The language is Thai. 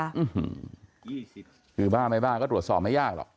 อืมคือบ้าไม่บ้าก็ตรวจสอบไม่ยากหรอก